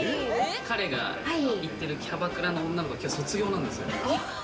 彼が言ってるキャバクラの女の子がきょう卒業なんですよ。